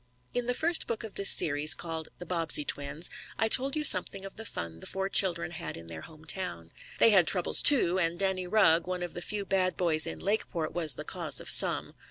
In the first book of this series, called "The Bobbsey Twins," I told you something of the fun the four children had in their home town. They had troubles, too, and Danny Rugg, one of the few bad boys in Lakeport, was the cause of some.